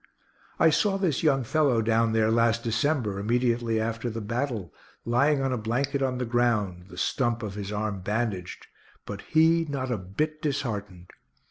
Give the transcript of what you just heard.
I saw this young fellow down there last December, immediately after the battle, lying on a blanket on the ground, the stump of his arm bandaged, but he not a bit disheartened.